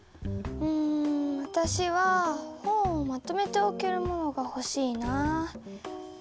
うんわたしは本をまとめておけるものがほしいな。